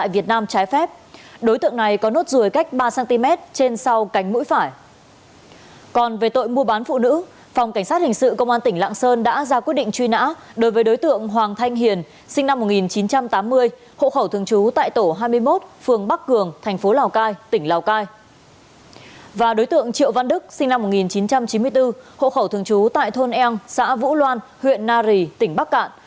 và đối tượng triệu văn đức sinh năm một nghìn chín trăm chín mươi bốn hộ khẩu thường trú tại thôn eo xã vũ loan huyện na rì tỉnh bắc cạn